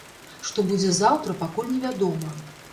Што будзе заўтра, пакуль невядома.